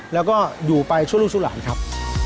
แล้วก็อยู่ไปชั่วลูกชั่วหลานครับ